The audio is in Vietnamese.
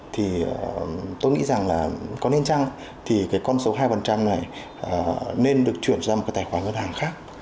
thì tôi nghĩ rằng là có nên chăng thì cái con số hai này nên được chuyển ra một cái tài khoản ngân hàng khác